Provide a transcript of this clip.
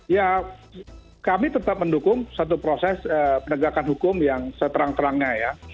ya kami tetap mendukung satu proses penegakan hukum yang seterang terangnya ya